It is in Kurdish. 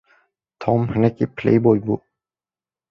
Tom hinekî playboy bû.